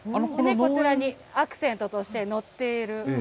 こちらにアクセントとして載っている。